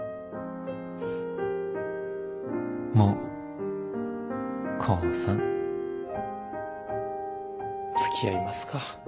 もう降参付き合いますか。